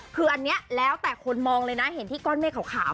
คืออันนี้แล้วแต่คนมองเลยนะเห็นที่ก้อนเมฆขาว